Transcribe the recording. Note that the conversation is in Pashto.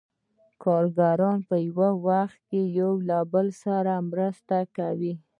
کارګران په یو وخت کې یو له بل سره مرسته کوي